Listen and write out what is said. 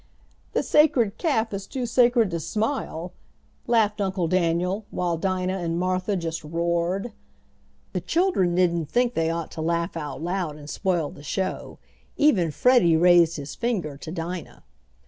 "The sacred calf is too sacred to smile," laughed Uncle Daniel, while Dinah and Martha just roared. The children didn't think they ought to laugh out loud and spoil the show; even Freddie raised his finger to Dinah.